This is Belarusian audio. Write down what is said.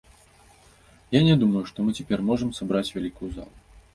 Я не думаю, што мы цяпер можам сабраць вялікую залу.